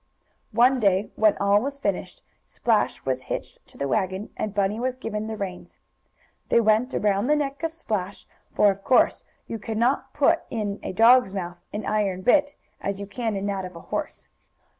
One day, when all was finished, Splash was hitched to the wagon, and Bunny was given the reins. They went around the neck of Splash, for of course you can not put in a dog's mouth an iron bit, as you can in that of a horse.